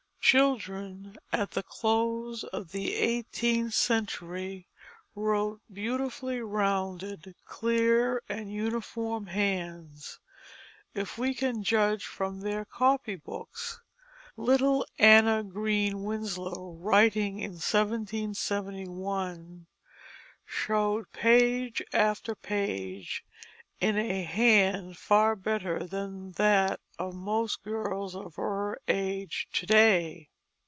Children at the close of the eighteenth century wrote beautifully rounded, clear, and uniform hands, if we can judge from their copy books. Little Anna Green Winslow, writing in 1771, showed page after page in a hand far better than that of most girls of her age to day.